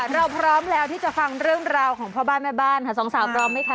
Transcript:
เราพร้อมแล้วที่จะฟังเรื่องราวของพ่อบ้านแม่บ้านค่ะสองสาวพร้อมไหมคะ